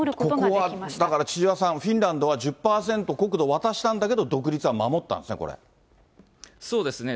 ここはだから千々和さん、フィンランドは１０％国土を渡したんだけれども、独立は守ったんですね、そうですね。